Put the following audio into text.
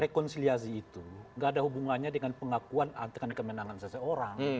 rekonsiliasi itu gak ada hubungannya dengan pengakuan dengan kemenangan seseorang